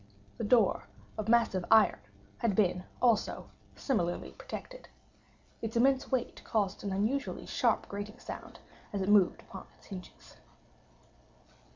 The door, of massive iron, had been, also, similarly protected. Its immense weight caused an unusually sharp grating sound, as it moved upon its hinges.